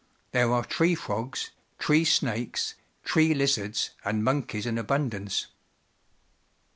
There are tree frogs, tree snakes, tree hzards, and mon keys in abundance.